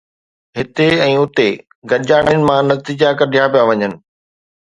هتي ۽ اتي گڏجاڻين مان نتيجا ڪڍيا پيا وڃن